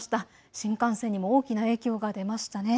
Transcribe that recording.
新幹線にも大きな影響が出ましたね。